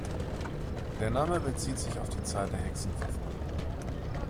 Der Name bezieht sich auf die Zeit der Hexenverfolgung.